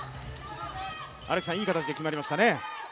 荒木さん、いい形で決まりましたね